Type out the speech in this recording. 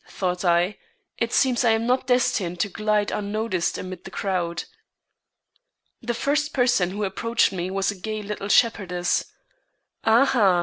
thought I, "it seems I am not destined to glide unnoticed amid the crowd." The first person who approached me was a gay little shepherdess. "Ah, ha!"